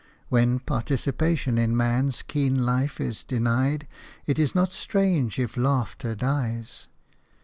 When participation in man's keen life is denied, it is not strange if laughter dies.